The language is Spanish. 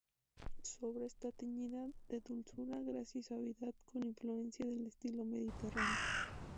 Su obra está teñida de dulzura, gracia y suavidad, con influencia del estilo mediterráneo.